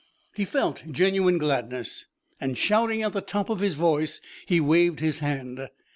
He felt genuine gladness, and, shouting at the top of his voice, he waved his hand.